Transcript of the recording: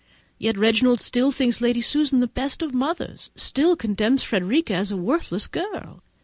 Yet Reginald still thinks Lady Susan the best of mothers, and still condemns Frederica as a worthless girl!